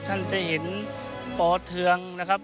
ท่านจะเห็นปอเทืองนะครับ